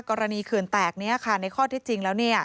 กรณีเคือนแตกในข้อที่จริงแล้ว